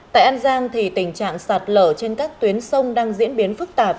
tại an giang tình trạng sạt lở trên các tuyến sông đang diễn biến phức tạp